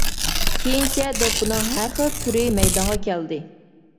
كېيىنچە دوپپىنىڭ ھەر خىل تۈرى مەيدانغا كەلدى.